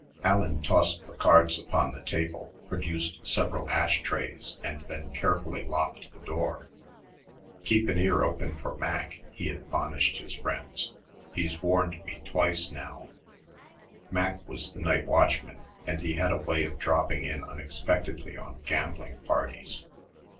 Allen tossed the cards upon the table, produced several ash trays, and then carefully locked the door. "Keep an ear open for Mac," he admonished his friends; "He's warned me twice now," "Mac" was the night watchman, and he had a way of dropping in unexpectedly on gambling parties.